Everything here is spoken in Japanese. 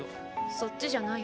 そっちじゃないよ。